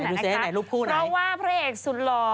เพราะว่าพระเอกสุดหล่อ